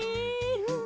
うん。